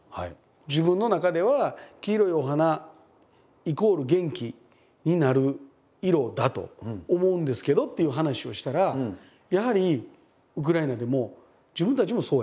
「自分の中では黄色いお花イコール元気になる色だと思うんですけど」っていう話をしたらやはりウクライナでも「自分たちもそうや」と。